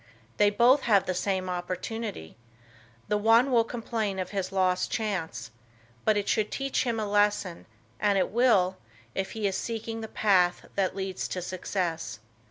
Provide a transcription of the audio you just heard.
They both have the same opportunity. The one will complain of his lost chance. But it should teach him a lesson, and it will, if he is seeking the path that leads to success.